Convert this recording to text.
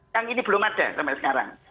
yang ini belum ada sampai sekarang